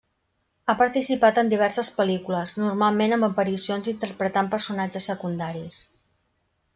Ha participat en diverses pel·lícules, normalment amb aparicions interpretant personatges secundaris.